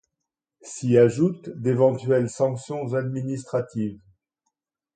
S'y ajoute d'éventuelles sanctions administratives.